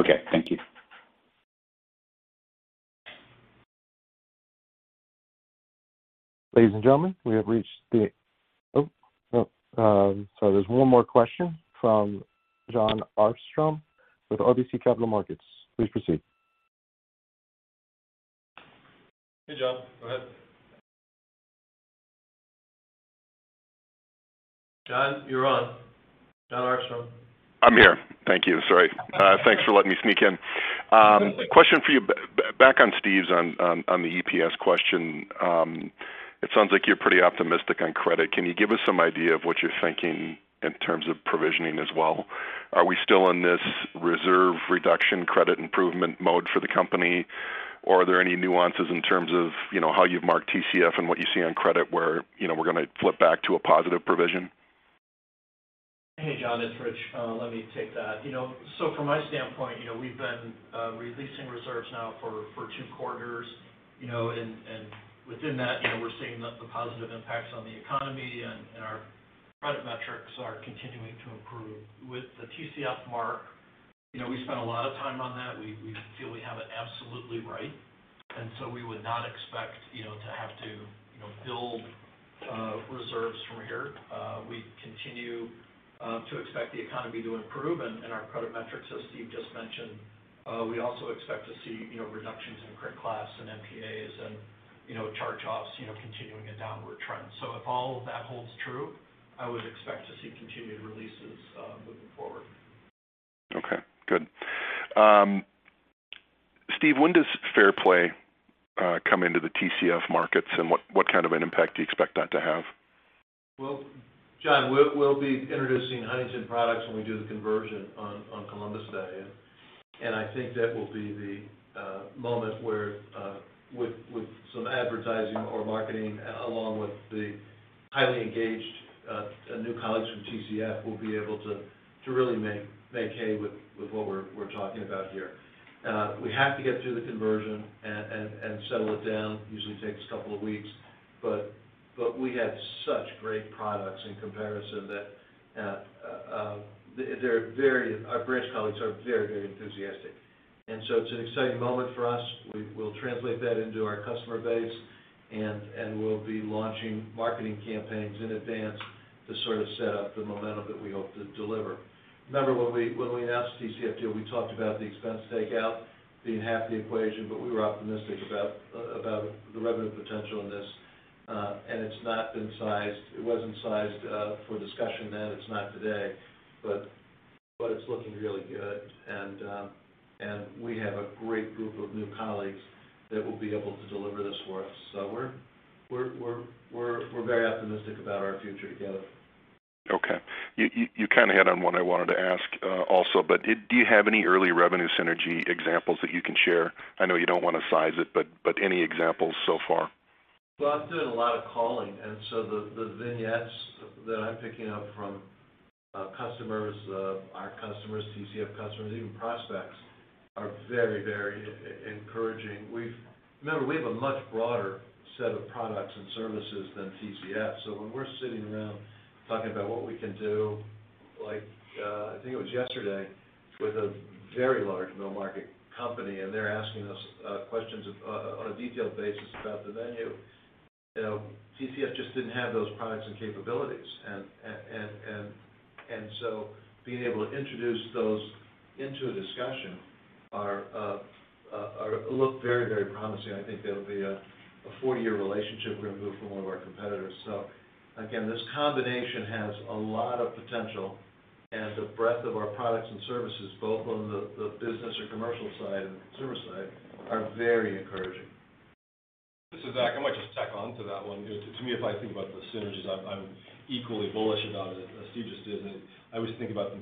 Okay. Thank you. Oh, sorry. There's one more question from Jon Arfstrom with RBC Capital Markets. Please proceed. Hey, Jon. Go ahead. Jon, you're on. Jon Arfstrom. I'm here. Thank you. Sorry. Thanks for letting me sneak in. That's okay. Question for you, back on Steve's on the EPS question. It sounds like you're pretty optimistic on credit. Can you give us some idea of what you're thinking in terms of provisioning as well? Are we still in this reserve reduction credit improvement mode for the company? Are there any nuances in terms of how you've marked TCF and what you see on credit where we're going to flip back to a positive provision? Hey, Jon, it's Rich. Let me take that. From my standpoint, we've been releasing reserves now for two quarters. Within that, we're seeing the positive impacts on the economy, and our credit metrics are continuing to improve. With the TCF mark, we spent a lot of time on that. We feel we have it absolutely right, we would not expect to have to build reserves from here. We continue to expect the economy to improve and our credit metrics, as Steve just mentioned. We also expect to see reductions in crit/class and NPAs and charge-offs continuing a downward trend. If all of that holds true, I would expect to see continued releases moving forward. Okay, good. Steve, when does Fair Play come into the TCF markets, and what kind of an impact do you expect that to have? Well, Jon, we'll be introducing Huntington products when we do the conversion on Columbus Day. I think that will be the moment where, with some advertising or marketing, along with the highly engaged new colleagues from TCF, we'll be able to really make hay with what we're talking about here. We have to get through the conversion and settle it down. Usually takes a couple of weeks. We have such great products in comparison that our branch colleagues are very enthusiastic. It's an exciting moment for us. We'll translate that into our customer base, and we'll be launching marketing campaigns in advance to sort of set up the momentum that we hope to deliver. Remember when we announced the TCF deal, we talked about the expense takeout being half the equation, but we were optimistic about the revenue potential in this. It's not been sized. It wasn't sized for discussion then. It's not today. It's looking really good. We have a great group of new colleagues that will be able to deliver this for us. We're very optimistic about our future together. Okay. You kind of hit on what I wanted to ask also. Do you have any early revenue synergy examples that you can share? I know you don't want to size it. Any examples so far? Well, I've done a lot of calling, the vignettes that I'm picking up from customers, our customers, TCF customers, even prospects, are very encouraging. Remember, we have a much broader set of products and services than TCF. When we're sitting around talking about what we can do I think it was yesterday with a very large middle-market company, and they're asking us questions on a detailed basis about the menu. TCF just didn't have those products and capabilities. Being able to introduce those into a discussion look very promising. I think that'll be a four-year relationship we're going to move from one of our competitors. Again, this combination has a lot of potential, and the breadth of our products and services, both on the business or commercial side and consumer side, are very encouraging. This is Zach. I might just tack on to that one. To me, if I think about the synergies, I'm equally bullish about it as Steve just is. I always think about them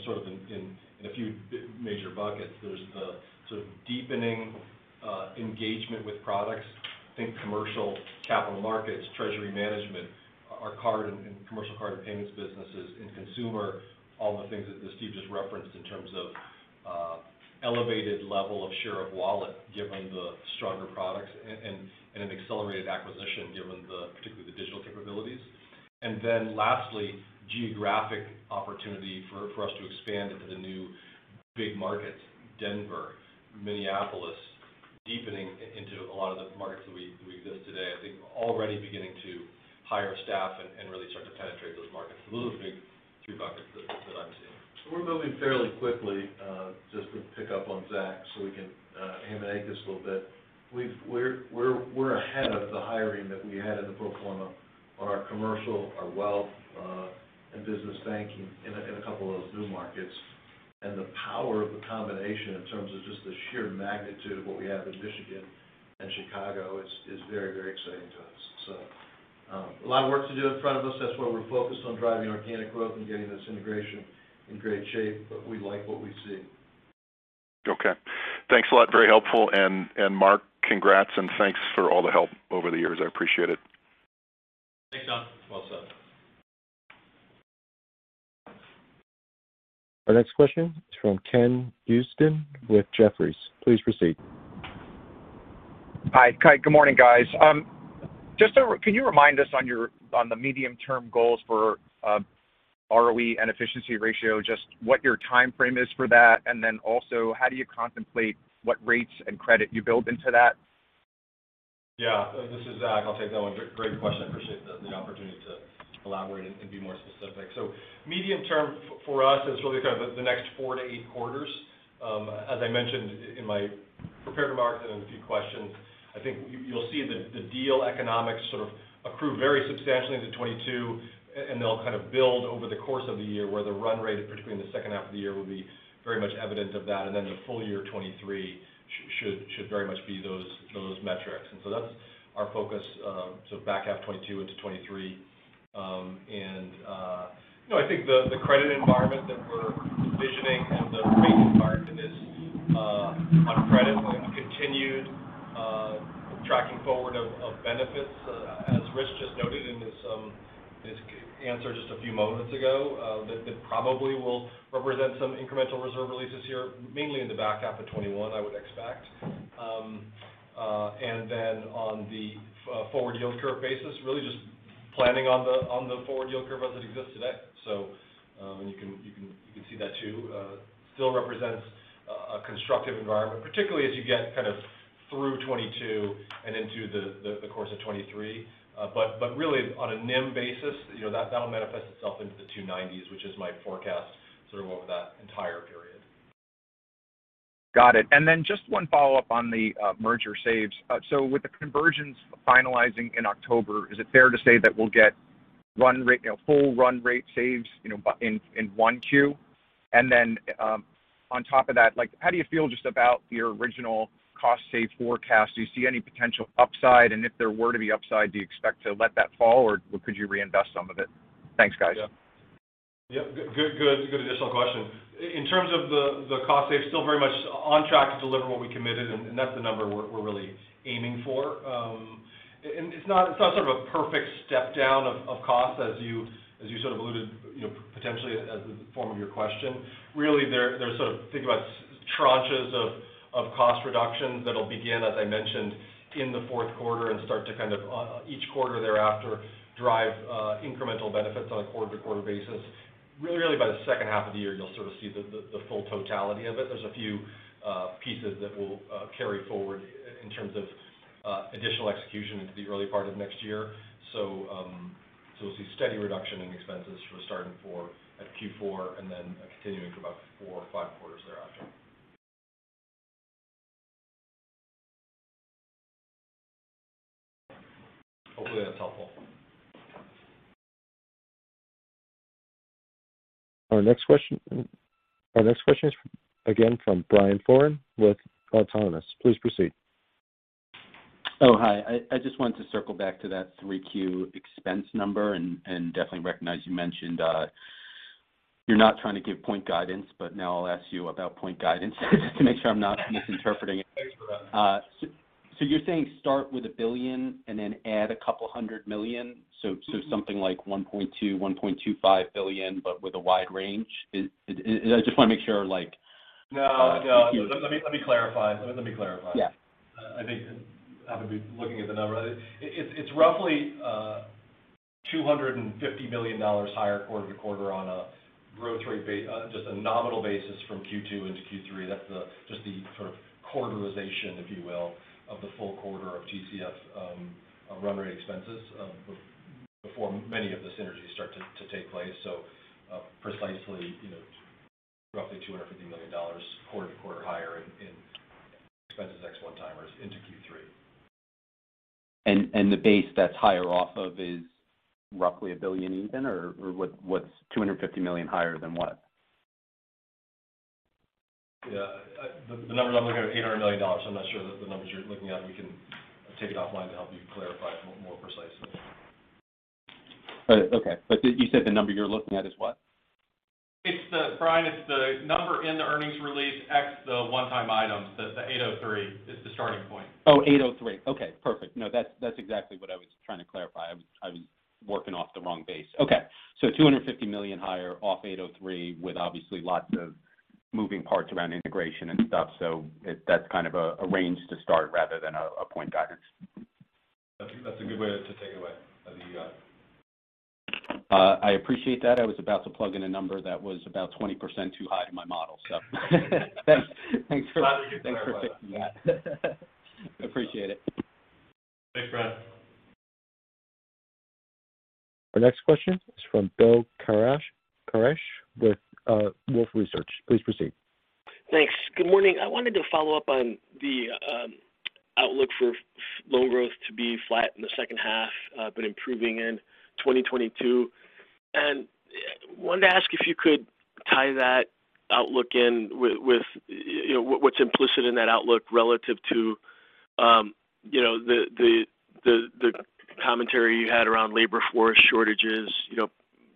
in a few major buckets. There's the sort of deepening engagement with products, think commercial, Capital Markets, Treasury Management, our card and commercial card and payments businesses in consumer, all the things that Steve just referenced in terms of elevated level of share of wallet, given the stronger products and an accelerated acquisition, given particularly the digital capabilities. Lastly, geographic opportunity for us to expand into the new big markets, Denver, Minneapolis, deepening into a lot of the markets that we exist today. I think we're already beginning to hire staff and really start to penetrate those markets. Those are the big three buckets that I'm seeing. We're moving fairly quickly, just to pick up on Zach so we can ham and egg this a little bit. We're ahead of the hiring that we had in the pro forma on our commercial, our wealth, and business banking in a couple of those new markets. The power of the combination in terms of just the sheer magnitude of what we have in Michigan and Chicago is very exciting to us. A lot of work to do in front of us. That's why we're focused on driving organic growth and getting this integration in great shape. We like what we see. Okay. Thanks a lot. Very helpful. Mark, congrats and thanks for all the help over the years. I appreciate it. Thanks, Jon. Well said. Our next question is from Ken Usdin with Jefferies. Please proceed. Hi. Good morning, guys. Can you remind us on the medium-term goals for ROE and efficiency ratio, just what your timeframe is for that? How do you contemplate what rates and credit you build into that? Yeah. This is Zach. I'll take that one. Great question. Appreciate the opportunity to elaborate and be more specific. Medium term for us is really kind of the next four to eight quarters. As I mentioned in my prepared remarks and in a few questions, I think you'll see the deal economics sort of accrue very substantially into 2022, and they'll kind of build over the course of the year, where the run rate, particularly in the second half of the year, will be very much evident of that. The full year 2023 should very much be those metrics. That's our focus. Back half 2022 into 2023. I think the credit environment that we're visioning and the rate environment on credit will be continued tracking forward of benefits, as Rich just noted in his answer just a few moments ago, that probably will represent some incremental reserve releases here, mainly in the back half of 2021, I would expect. Then on the forward yield curve basis, really just planning on the forward yield curve as it exists today. You can see that too, still represents a constructive environment, particularly as you get kind of through 2022 and into the course of 2023. Really on a NIM basis, that'll manifest itself into the 290s, which is my forecast sort of over that entire period. Got it. Just one follow-up on the merger saves. With the conversions finalizing in October, is it fair to say that we'll get full run rate saves in Q1? On top of that, how do you feel just about your original cost save forecast? Do you see any potential upside? If there were to be upside, do you expect to let that fall, or could you reinvest some of it? Thanks, guys. Yeah. Good additional question. In terms of the cost save, still very much on track to deliver what we committed, that's the number we're really aiming for. It's not sort of a perfect step down of costs as you sort of alluded potentially as the form of your question. Really, think about tranches of cost reductions that'll begin, as I mentioned, in the fourth quarter and start to kind of, each quarter thereafter, drive incremental benefits on a quarter-to-quarter basis. Really by the second half of the year, you'll sort of see the full totality of it. There's a few pieces that we'll carry forward in terms of additional execution into the early part of next year. We'll see steady reduction in expenses starting at Q4 and then continuing for about four or five quarters thereafter. Hopefully, that's helpful. Our next question is again from Brian Foran with Autonomous. Please proceed. Oh, hi. I just wanted to circle back to that Q3 expense number, definitely recognize you mentioned you're not trying to give point guidance, now I'll ask you about point guidance just to make sure I'm not misinterpreting it. Thanks for that. You're saying start with $1 billion and then add a couple of hundred million, something like $1.2 billion-$1.25 billion, but with a wide range? I just want to make sure. No. Let me clarify. Yeah. I think, I'm going to be looking at the number. It's roughly $250 million higher quarter-to-quarter on a growth rate base, just a nominal basis from Q2 into Q3. That's just the sort of quarterization, if you will, of the full quarter of TCF run rate expenses before many of the synergies start to take place. Precisely, roughly $250 million quarter-to-quarter higher in expenses, ex one-timers into Q3. The base that's higher off of is roughly $1 billion even, or what's $250 million higher than what? Yeah. The numbers I'm looking at are $800 million. I'm not sure that the numbers you're looking at. We can take it offline to help you clarify more precisely. Okay. You said the number you're looking at is what? Brian, it's the number in the earnings release, ex the one time items, the $803 million is the starting point. $803 million. Okay, perfect. That's exactly what I was trying to clarify. I was working off the wrong base. Okay. $250 million higher off $803 million with obviously lots of moving parts around integration and stuff. That's kind of a range to start rather than a point guidance. That's a good way to take it away. I think you got it. I appreciate that. I was about to plug in a number that was about 20% too high in my model. Thanks for clarifying that. I appreciate it. Thanks, Brian. The next question is from Bill Carcache with Wolfe Research. Please proceed. Thanks. Good morning. I wanted to follow up on the outlook for loan growth to be flat in the second half but improving in 2022. Wanted to ask if you could tie that outlook in with what's implicit in that outlook relative to the commentary you had around labor force shortages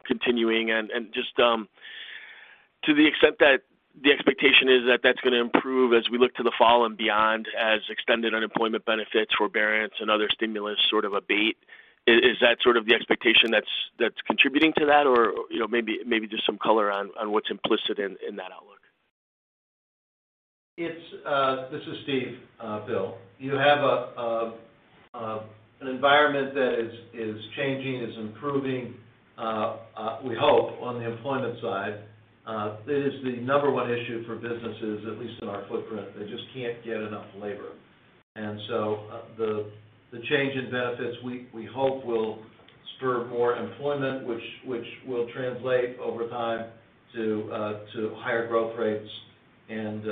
continuing and just to the extent that the expectation is that's going to improve as we look to the fall and beyond as extended unemployment benefits, forbearance, and other stimulus sort of abate. Is that sort of the expectation that's contributing to that? Maybe just some color on what's implicit in that outlook. This is Steve. Bill, you have an environment that is changing, is improving, we hope, on the employment side. It is the number one issue for businesses, at least in our footprint. They just can't get enough labor. The change in benefits we hope will spur more employment, which will translate over time to higher growth rates and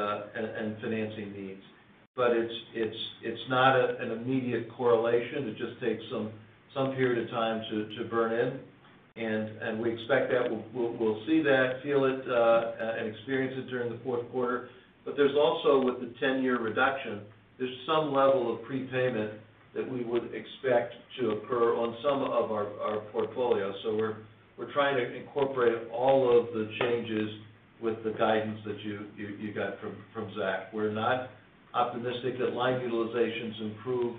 financing needs. It's not an immediate correlation. It just takes some period of time to burn in, and we expect that. We'll see that, feel it, and experience it during the fourth quarter. There's also with the 10-year reduction, there's some level of prepayment that we would expect to occur on some of our portfolio. We're trying to incorporate all of the changes with the guidance that you got from Zach. We're not optimistic that line utilizations improve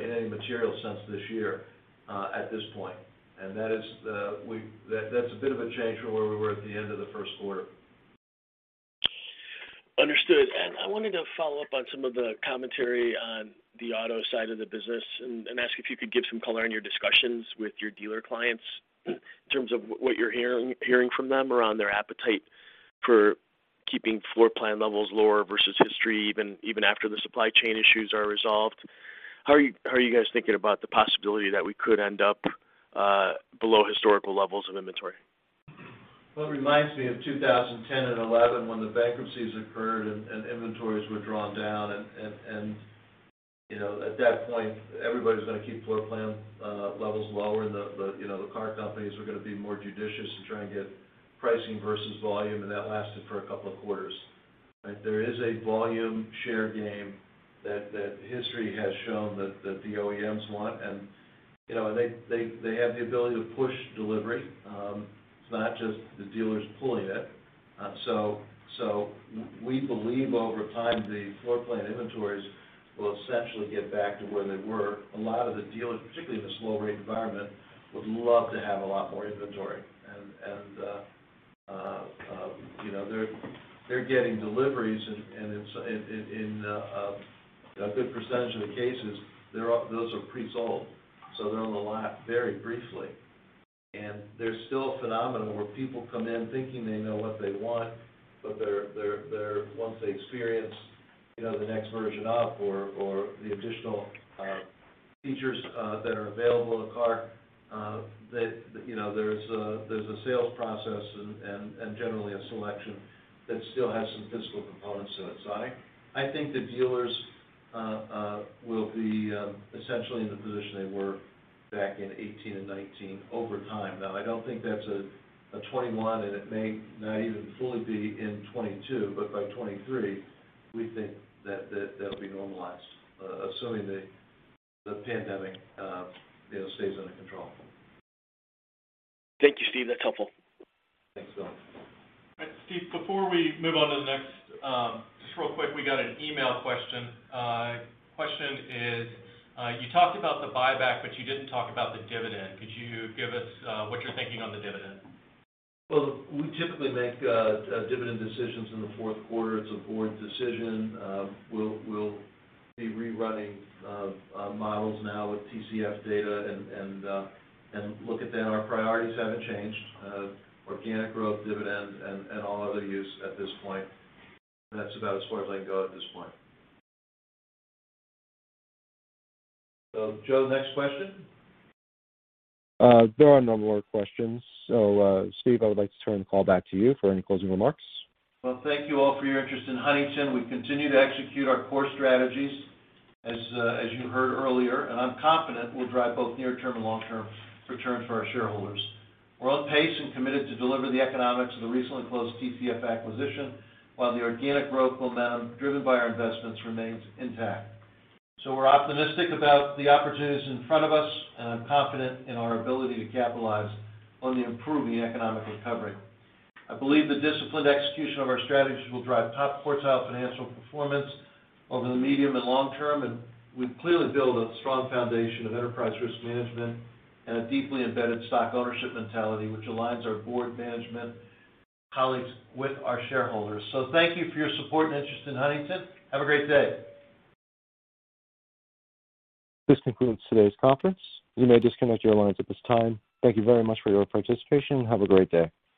in any material sense this year at this point. That's a bit of a change from where we were at the end of the first quarter. Understood. I wanted to follow up on some of the commentary on the auto side of the business and ask if you could give some color on your discussions with your dealer clients in terms of what you're hearing from them around their appetite for keeping floor plan levels lower versus history, even after the supply chain issues are resolved. How are you guys thinking about the possibility that we could end up below historical levels of inventory? Well, it reminds me of 2010 and 2011 when the bankruptcies occurred and inventories were drawn down. At that point, everybody was going to keep floor plan levels lower and the car companies were going to be more judicious to try and get pricing versus volume, and that lasted for a couple of quarters, right? There is a volume share game that history has shown that the OEMs want, and they have the ability to push delivery. It's not just the dealers pulling it. We believe over time, the floor plan inventories will essentially get back to where they were. A lot of the dealers, particularly in a slow rate environment, would love to have a lot more inventory. They're getting deliveries, and in a good percentage of the cases, those are pre-sold. They're on the lot very briefly. There's still a phenomenon where people come in thinking they know what they want, but once they experience the next version up or the additional features that are available in a car, there's a sales process and generally a selection that still has some physical components to it. I think the dealers will be essentially in the position they were back in 2018 and 2019 over time. I don't think that's a 2021, and it may not even fully be in 2022. By 2023, we think that that'll be normalized, assuming the pandemic stays under control. Thank you, Steve. That's helpful. Thanks, Bill. All right, Steve, before we move on to the next, just real quick, we got an email question. Question is, you talked about the buyback, but you didn't talk about the dividend. Could you give us what you're thinking on the dividend? Well, we typically make dividend decisions in the fourth quarter. It's a board decision. We'll be rerunning models now with TCF data and look at that. Our priorities haven't changed. Organic growth, dividends, and all other use at this point. That's about as far as I can go at this point. Joe, next question? There are no more questions. Steve, I would like to turn the call back to you for any closing remarks. Well, thank you all for your interest in Huntington. We continue to execute our core strategies, as you heard earlier, and I'm confident we'll drive both near-term and long-term returns for our shareholders. We're on pace and committed to deliver the economics of the recently closed TCF acquisition, while the organic growth momentum driven by our investments remains intact. We're optimistic about the opportunities in front of us, and I'm confident in our ability to capitalize on the improving economic recovery. I believe the disciplined execution of our strategies will drive top quartile financial performance over the medium and long term, and we've clearly built a strong foundation of enterprise risk management and a deeply embedded stock ownership mentality, which aligns our board management colleagues with our shareholders. Thank you for your support and interest in Huntington. Have a great day. This concludes today's conference. You may disconnect your lines at this time. Thank you very much for your participation, and have a great day.